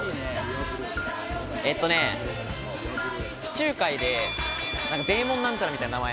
えっとね、地中海で何か、デーモン何ちゃらみたいな名前。